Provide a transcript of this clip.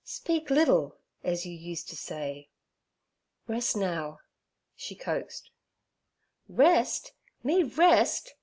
Speak liddle, ez you used t' say.' 'Rest now' she coaxed. 'Rest! Me rest!'